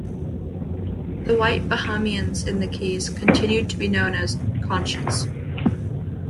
The white Bahamians in the keys continued to be known as "conches".